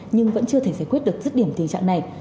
nhưng vẫn chưa thể giải quyết được dứt điểm tình trạng này